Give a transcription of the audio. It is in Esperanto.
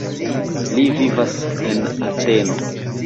Li vivas en Ateno.